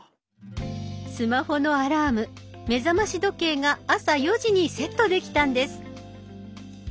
スマホのアラーム目覚まし時計が朝４時にセットできたんです。